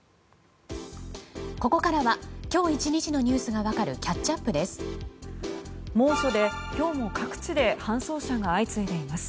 ここからは今日１日ニュースが分かるキャッチアップです。